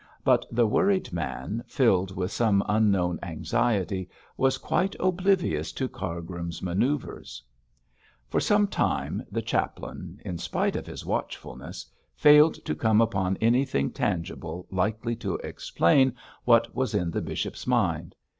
But the worried man, filled with some unknown anxiety, was quite oblivious to Cargrim's manoeuvres. For some time the chaplain, in spite of all his watchfulness, failed to come upon anything tangible likely to explain what was in the bishop's mind.